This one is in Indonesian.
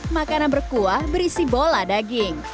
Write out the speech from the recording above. makanan berkuah berisi bola daging